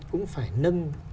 cũng phải nâng